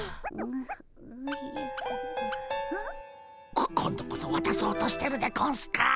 こ今度こそわたそうとしてるでゴンスか？